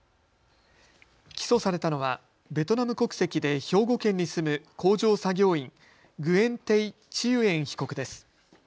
起訴されたのはベトナム国籍で兵庫県に住む工場作業員グエン・テイ・チユエン被告です。